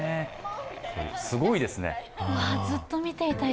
すごいですね。